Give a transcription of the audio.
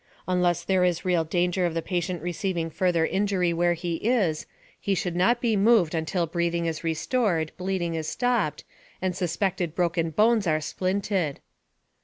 Unless there is real danger of the patient receiving further injury where he is, he should not be moved until breathing is restored, bleeding is stopped, and suspected broken bones are splinted.